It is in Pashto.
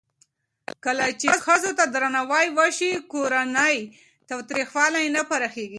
کله چې ښځو ته درناوی وشي، کورنی تاوتریخوالی نه پراخېږي.